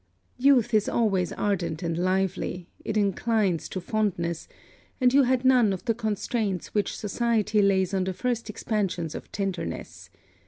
Youth is always ardent and lively; it inclines to fondness; and you had none of the constraints which society lays on the first expansions of tenderness.